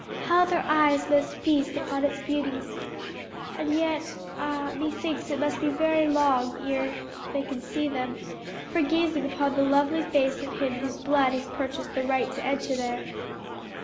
How their eyes must feast upon its beauties! And yet ah, methinks it must be long ere they can see them, for gazing upon the lovely face of Him whose blood has purchased their right to enter there."